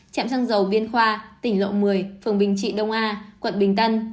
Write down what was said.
chạm xăng dầu biên khoa tỉnh lộ một mươi phường bình trị đông a quận bình tân